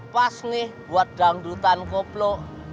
pas nih buat dangdutan koplo